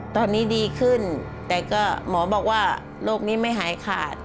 ตอนนี้ดีขึ้นแต่ก็หมอบอกว่าโรคนี้ไม่หายขาด